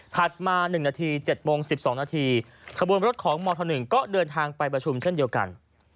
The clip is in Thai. มา๑นาที๗โมง๑๒นาทีขบวนรถของมธ๑ก็เดินทางไปประชุมเช่นเดียวกัน